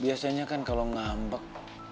biasanya kan kalau ngambek